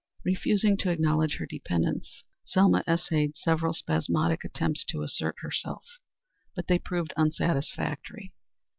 Refusing to acknowledge her dependence, Selma essayed several spasmodic attempts to assert herself, but they proved unsatisfactory.